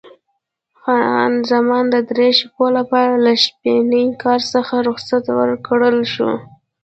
خان زمان د درې شپو لپاره له شپني کار څخه رخصت ورکړل شوه.